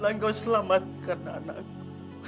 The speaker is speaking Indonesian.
langgau selamatkan anakku